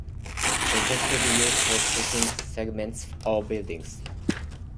It tends to be used for certain segments of buildings.